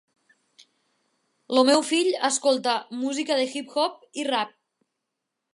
El meu fill escolta música de hip-hop i rap.